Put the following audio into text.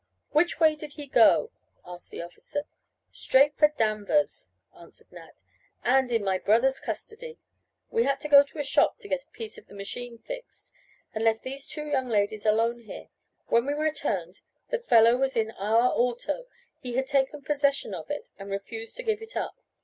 "Which way did he go?" asked the officer. "Straight for Danvers," answered Nat, "and in my brother's custody. We had to go to a shop to get a piece of the machine fixed and left these two young ladies alone here. When we returned the fellow was in our auto he had taken possession of it, and refused to give it up.